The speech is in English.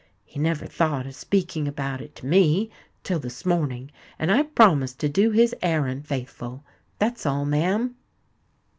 He never thought of speaking about it to me till this morning; and I promised to do his arrand faithful. That's all, ma'am."